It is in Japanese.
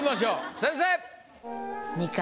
先生！